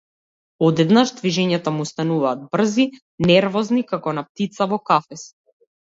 Одеднаш движењата му стануваат брзи, нервозни, како на птица во кафез.